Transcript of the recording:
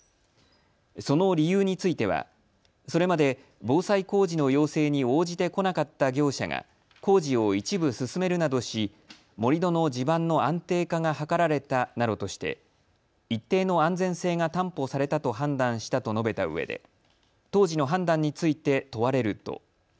その理由についてはそれまで防災工事の要請に応じてこなかった業者が工事を一部進めるなどし盛り土の地盤の安定化が図られたなどとして一定の安全性が担保されたと判断したと述べたうえで当時の判断について問われると。